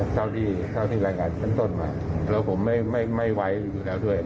เท่าที่รายงานชั้นต้นมาแล้วผมไม่ไว้อยู่แล้วด้วย